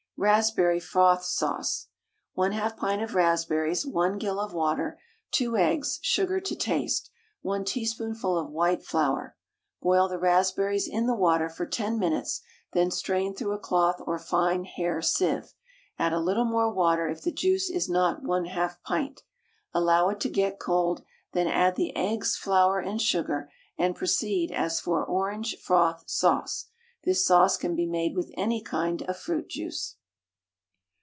RASPBERRY FROTH SAUCE. 1/2 pint of raspberries, 1 gill of water, 2 eggs, sugar to taste, 1 teaspoonful of white flour. Boil the raspberries in the water for 10 minutes, then strain through a cloth or fine hair sieve; add a little more water if the juice is not 1/2 pint; allow it to get cold, then add the eggs, flour, and sugar, and proceed as for "Orange Froth Sauce." This sauce can be made with any kind of fruit juice.